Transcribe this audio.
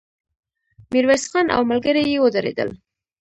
ميرويس خان او ملګري يې ودرېدل.